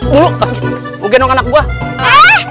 bu lu mau gedung anak gue